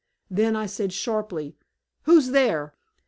Then I said sharply: "Who's there?"